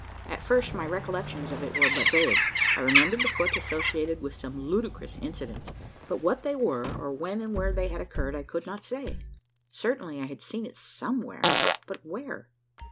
At first, my recollections of it were but vague. I remembered the foot associated with some ludicrous incidents; but what they were, or when and where they had occurred, I could not say. Certainly I had seen it somewhere; but where?